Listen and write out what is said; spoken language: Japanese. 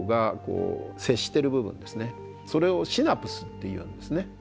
それをシナプスっていうんですね。